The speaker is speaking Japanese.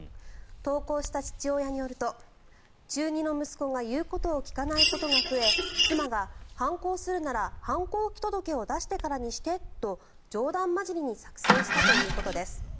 投稿した父親によると中２の息子が言うことを聞かないことが増え妻が反抗するなら反抗期届を出してからにして！と冗談交じりに作成したということです。